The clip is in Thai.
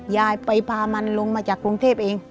ยายไปพามันลงมาจากกรุงเทพเอง